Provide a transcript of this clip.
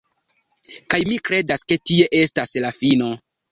Kaj mi kredas ke tie estas la fino